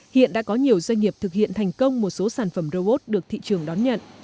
hiện đã có nhiều doanh nghiệp thực hiện thành công một số sản phẩm robot được thị trường đón nhận